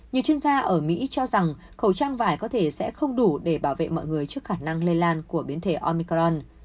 nhiều chuyên gia ở mỹ cho rằng khẩu trang vải có thể sẽ không đủ để bảo vệ mọi người trước khả năng lây lan của biến thể omicron